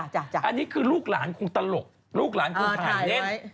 อันนี้คือลูกหลานคงตลกลูกหลานคงทานเล่น